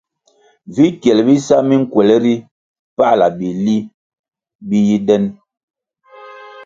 Vi kyel bisa minkwelʼ ri pala bili bi yi den.